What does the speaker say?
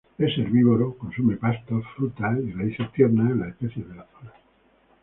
Es herbívoro, consume pastos, frutas y raíces tiernas de las especies de la zona.